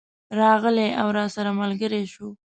راغلی او راسره ملګری شو.